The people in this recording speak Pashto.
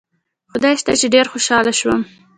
خدای شته چې ډېر خوشاله شوم.